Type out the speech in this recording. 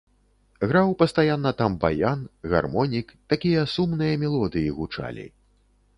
Граў пастаянна там баян, гармонік, такія сумныя мелодыі гучалі.